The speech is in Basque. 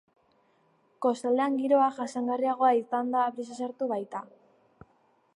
Kostaldean giroa jasangarriagoa izan da brisa sartu baita.